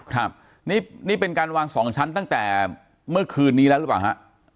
ครับนี่เป็นการวางสองชั้นตั้งแต่เมื่อคืนนี้แล้วหรือเปล่าฮะ